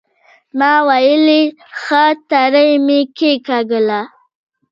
ما ويلې ښه تڼۍ مې کېکاږله.